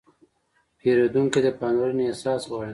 پیرودونکی د پاملرنې احساس غواړي.